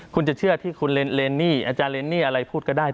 คุณจะเชื่อที่คุณเรนนี่อาจารย์เรนนี่อะไรพูดก็ได้